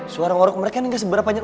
suara norok mereka kan gak seberapa aja